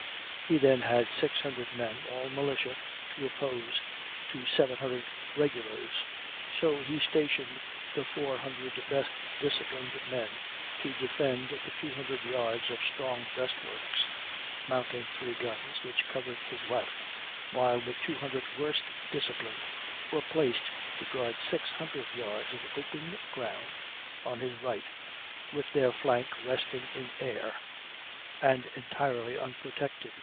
He then had six hundred men, all militia, to oppose to seven hundred regulars. So he stationed the four hundred best disciplined men to defend the two hundred yards of strong breastworks, mounting three guns, which covered his left; while the two hundred worst disciplined were placed to guard six hundred yards of open ground on his right, with their flank resting in air, and entirely unprotected.